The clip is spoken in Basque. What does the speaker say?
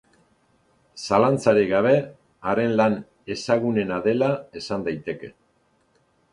Zalantzarik gabe, haren lan ezagunena dela esan daiteke.